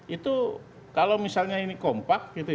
itu kalau misalnya ini kompak